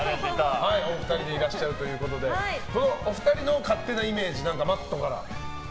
お二人でいらっしゃるということでお二人の勝手なイメージＭａｔｔから。